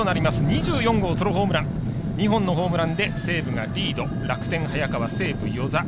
２本のホームランで西武がリード楽天は早川、西武は與座。